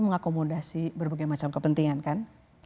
mengakomodasi berbagai macam kepentingan kan